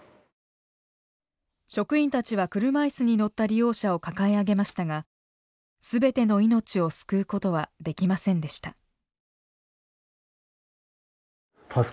職員たちは車いすに乗った利用者を抱え上げましたが全ての命を救うことはできませんでした。